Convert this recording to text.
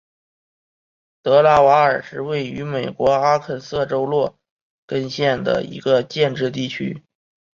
德拉瓦尔是位于美国阿肯色州洛根县的一个非建制地区。